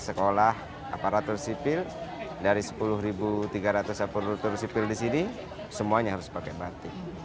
sekolah aparatur sipil dari sepuluh tiga ratus aparatur sipil di sini semuanya harus pakai batik